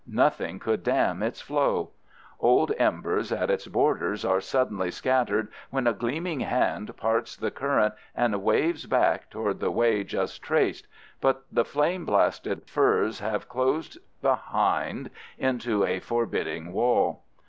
Nothing could dam its flow. Old embers at its borders are suddenly scattered when a gleaming hand parts the current and waves back toward the way just traced, but the flame blasted firs have closed behind into a forbidding wall.